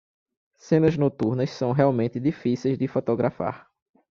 Cenas noturnas são realmente difíceis de fotografar